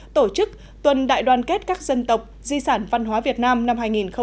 tổ chức tuần đại đoàn kết các dân tộc di sản văn hóa việt nam năm hai nghìn một mươi chín